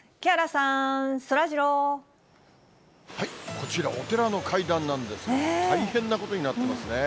こちらお寺の階段なんですが、大変なことになってますね。